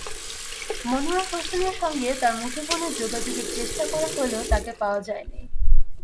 মনোয়ার হোসেনের সঙ্গে তাঁর মুঠোফোনে যোগাযোগের চেষ্টা করা হলেও তাঁকে পাওয়া যায়নি।